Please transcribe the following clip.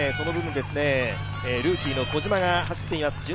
ルーキーの小島が走っています。